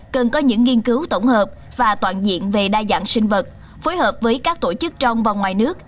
cần có những nghiên cứu tổng hợp và toàn diện về đa dạng sinh vật phối hợp với các tổ chức trong và ngoài nước